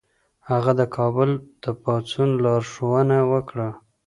هغه د کابل د پاڅون لارښوونه وکړه.